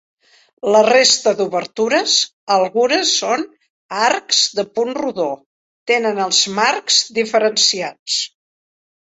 La resta d'obertures, algunes són arcs de punt rodó; tenen els marcs diferenciats.